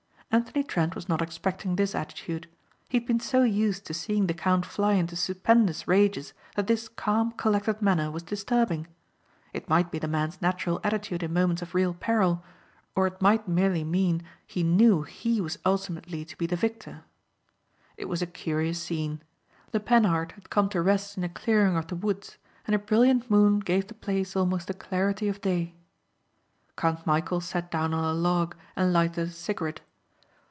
Anthony Trent was not expecting this attitude. He had been so used to seeing the count fly into stupendous rages that this calm, collected manner was disturbing. It might be the man's natural attitude in moments of real peril or it might merely mean he knew he was ultimately to be the victor. It was a curious scene. The Panhard had come to rest in a clearing of the woods and a brilliant moon gave the place almost the clarity of day. Count Michæl sat down on a log and lighted a cigarette.